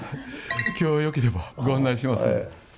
今日よければご案内しますんで。